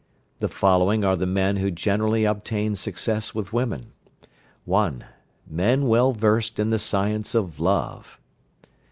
The following are the men who generally obtain success with women. 1. Men well versed in the science of love.